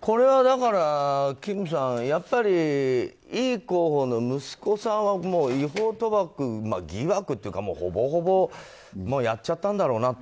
これは金さんイ候補の息子さんは違法賭博疑惑っていうかほぼほぼやっちゃったんだろうなって